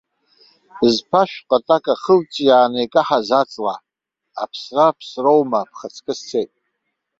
Зԥашә ҟатак ахылҿиааны, икаҳаз аҵла, аԥсра ԥсроума, бхаҵкы сцеит.